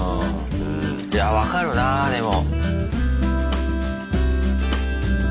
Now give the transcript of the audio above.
いや分かるなでも。